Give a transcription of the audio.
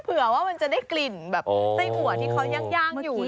เผื่อว่ามันจะได้กลิ่นแบบไส้อัวที่เขาย่างอยู่